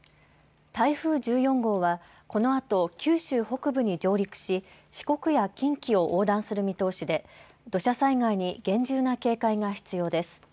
台風１４号は、このあと九州北部に上陸し四国や近畿を横断する見通しで土砂災害に厳重な警戒が必要です。